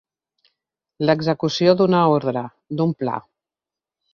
L'execució d'una ordre, d'un pla.